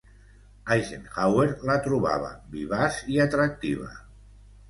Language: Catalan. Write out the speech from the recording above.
Eisenhower la trobava vivaç i atractiva.